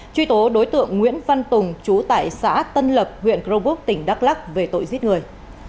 truy tố đối tượng nguyễn văn tùng chú tại xã tân lập huyện crobuk tỉnh đắk lắc về tội giết người